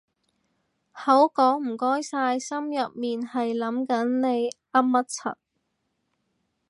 口講唔該晒心入面係諗緊你噏乜柒